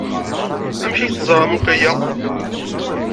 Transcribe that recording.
Amek ay teẓram akk aya?